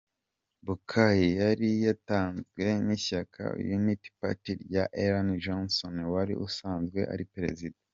Boakai yari yatanzwe n’ishyaka Unity Party rya Ellen Johnson wari usanzwe ari Perezida.